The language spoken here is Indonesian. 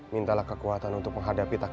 mintalah kekuatan untuk menghadapi taksi